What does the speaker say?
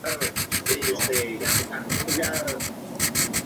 Todas estas obras desaparecieron durante la Guerra Civil.